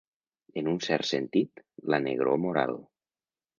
En un cert sentit, la negror moral.